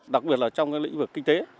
đặc biệt là trong cái lĩnh vực kinh tế